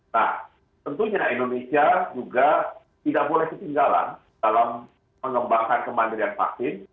nah tentunya indonesia juga tidak boleh ketinggalan dalam mengembangkan kemandirian vaksin